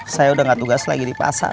saya udah gak tugas lagi di pasar